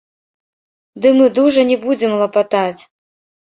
Ды мы дужа не будзем лапатаць.